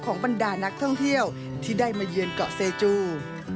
ของปัญดานักท่องเที่ยวที่ได้เมริกาเซจู